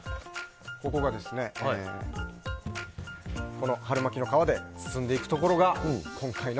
この春巻きの皮で包んでいくところが今回の。